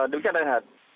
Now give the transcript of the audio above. dulu saja ada yang hati